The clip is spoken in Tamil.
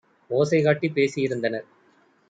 ஓசை காட்டிப் பேசி யிருந்தனர்.